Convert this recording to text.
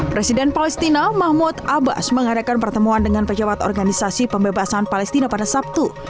presiden palestina mahmud abbas mengadakan pertemuan dengan pejabat organisasi pembebasan palestina pada sabtu